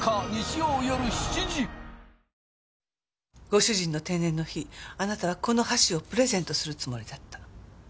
ご主人の定年の日あなたはこの箸をプレゼントするつもりだった。